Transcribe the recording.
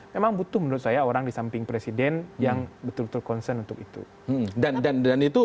memang butuh menurut saya orang di samping presiden yang betul betul concern untuk itu dan itu